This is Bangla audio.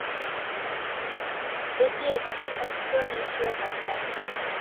এটি একটি অস্ট্রোনেশীয় ভাষা।